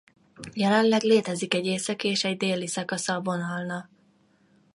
Jelenleg létezik egy északi és egy déli szakasza a vonalnak.